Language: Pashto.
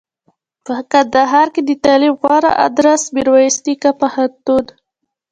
په کندهار کښي دتعلم غوره ادرس میرویس نیکه پوهنتون